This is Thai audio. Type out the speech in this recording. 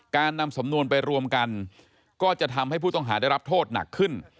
การนำสำนวนไปรวมกันก็จะทำให้ผู้ต้องหาได้รับโทษหนักขึ้น